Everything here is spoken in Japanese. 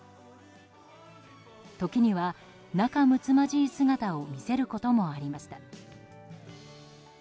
時には仲むつまじい姿を見せることもありました。